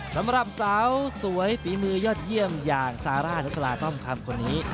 สำหรับสาวสวยฝีมือยอดเยี่ยมอย่างซาร่านักสลาต้อมคำคนนี้